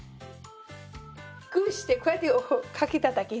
グーしてこうやってかけただけです。